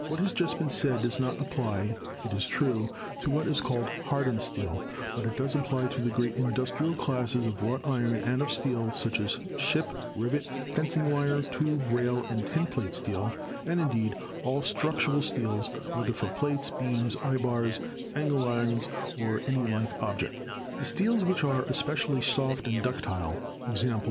What has just been said does not apply, it is true, to what is called "hardened steel," but it does apply to the great industrial classes of wrought iron and of steel such as ship, rivet, fencing wire, tube, rail and tin plate steel and indeed all structural steels, whether for plates, beams, eyebars, angle irons or any like object. The steels which are especially soft and ductile — e.